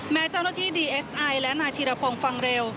แม้เจ้าหน้าที่ดีเอสไอและนายธีรพงศ์ฟังเร็ว